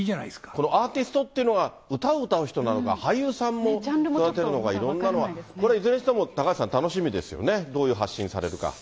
このアーティストというのが歌を歌う人なのか、俳優さんも育てるのか、いろんなのが、これ、いずれにしても高橋さん、楽しみですよね、どういう発信されるのか。